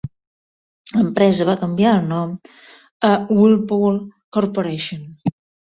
L'empresa va canviar el nom a Whirlpool Corporation.